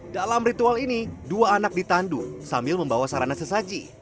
dalam ritual ini dua anak ditandu sambil membawa sarana sesaji